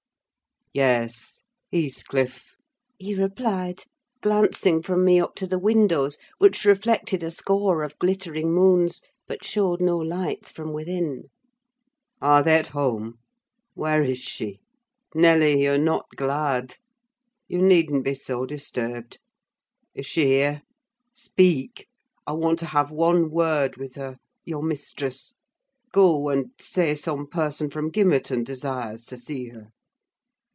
"Yes, Heathcliff," he replied, glancing from me up to the windows, which reflected a score of glittering moons, but showed no lights from within. "Are they at home? where is she? Nelly, you are not glad! you needn't be so disturbed. Is she here? Speak! I want to have one word with her—your mistress. Go, and say some person from Gimmerton desires to see her."